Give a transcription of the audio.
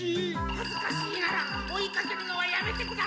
はずかしいなら追いかけるのはやめてください！